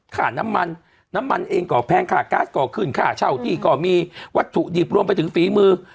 ค่าน้ำมันน้ำมันเองก็แพงค่าก๊าซก็ขึ้นค่าเช่าที่ก็มีวัตถุดิบรวมไปถึงฝีมือ